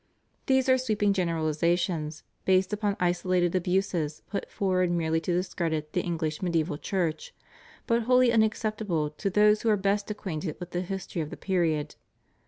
These are sweeping generalisations based upon isolated abuses put forward merely to discredit the English mediaeval Church, but wholly unacceptable to those who are best acquainted with the history of the period.